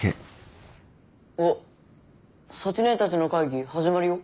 おサチ姉たちの会議始まるよ。